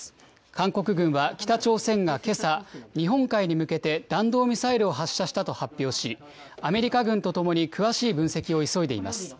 韓国軍は、北朝鮮がけさ、日本海に向けて、弾道ミサイルを発射したと発表し、アメリカ軍とともに詳しい分析を急いでいます。